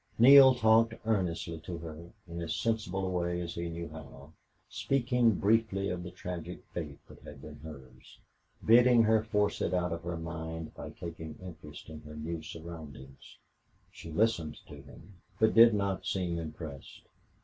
Neale talked earnestly to her, in as sensible a way as he knew how, speaking briefly of the tragic fate that had been hers, bidding her force it out of her mind by taking interest in her new surroundings. She listened to him, but did not seem impressed.